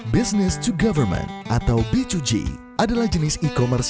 business to government atau b dua g adalah jenis e commerce